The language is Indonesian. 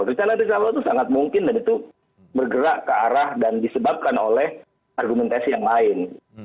reshua reshuffle itu sangat mungkin dan itu bergerak ke arah dan disebabkan oleh argumentasi yang lain